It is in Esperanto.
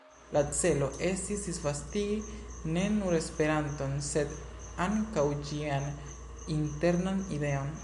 La celo estis disvastigi ne nur Esperanton, sed ankaŭ ĝian internan ideon.